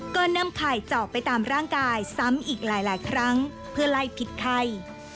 ก่อนนำไข่เจาะไปตามร่างกายซ้ำอีกหลายครั้งเพื่อไล่พิษไข้